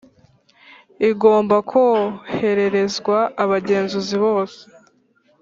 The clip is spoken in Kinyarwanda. Igomba kohererezwa abagenzuzi bose